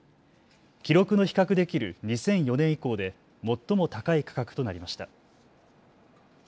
記録の比較できる２００４年以降で最も高い価格となりました。